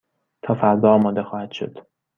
تا فردا آماده خواهد شد.